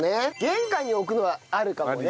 玄関に置くのはあるかもね。